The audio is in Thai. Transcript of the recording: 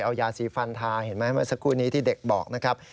เอายาสีฟันทาเห็นไหมเมื่อสักครู่นี้ที่เด็กบอกนะครับ